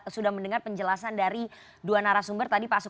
saya terima kasih